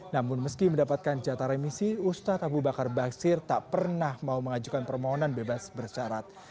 namun meski mendapatkan jatah remisi ustadz abu bakar basir tak pernah mau mengajukan permohonan bebas bersyarat